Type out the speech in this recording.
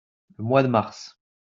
Le mois de mars.